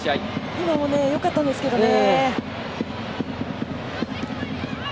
今のよかったんですけどね。